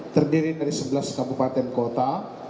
terdiri dari sebelas kabupaten kota